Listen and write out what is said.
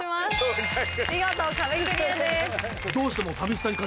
見事壁クリアです。